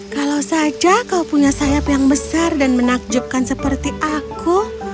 kalau saja kau punya sayap yang besar dan menakjubkan seperti aku